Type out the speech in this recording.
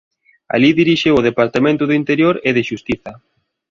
Alí dirixiu o departamento do interior e de xustiza.